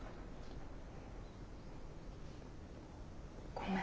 ごめん。